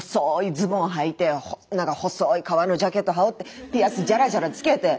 ズボンはいてなんかほそい革のジャケット羽織ってピアスジャラジャラつけて。